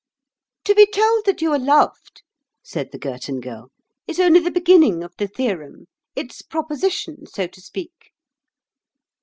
"To be told that you are loved," said the Girton Girl, "is only the beginning of the theorem—its proposition, so to speak."